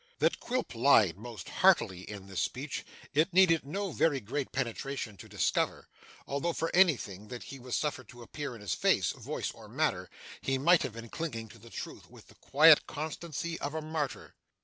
That Quilp lied most heartily in this speech, it needed no very great penetration to discover, although for anything that he suffered to appear in his face, voice, or manner, he might have been clinging to the truth with the quiet constancy of a martyr.